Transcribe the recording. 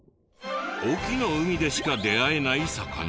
隠岐の海でしか出会えない魚？